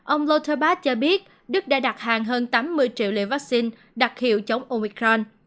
ông lutterbach cho biết đức đã đặt hàng hơn tám mươi triệu liệu vaccine đặc hiệu chống omicron